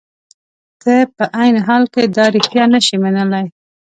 ته په عین حال کې دا رښتیا نشې منلای.